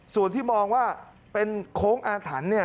ส่วนที่มองว่าเป็นโค้งอาถรรย์